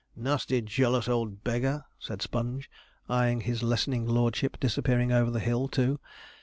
'Nasty jealous old beggar!' said Sponge, eyeing his lessening lordship disappearing over the hill too.